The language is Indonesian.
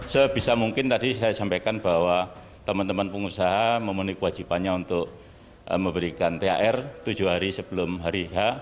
sebisa mungkin tadi saya sampaikan bahwa teman teman pengusaha memenuhi kewajibannya untuk memberikan thr tujuh hari sebelum hari h